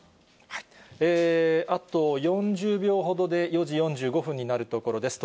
あと４０秒ほどで４時４５分になるところです。